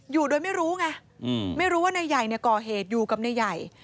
อยู่โดยไม่รู้ไงไม่รู้ว่านายใหญ่ก่อเหตุอยู่กับนายใหญ่